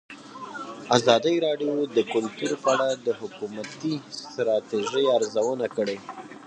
ازادي راډیو د کلتور په اړه د حکومتي ستراتیژۍ ارزونه کړې.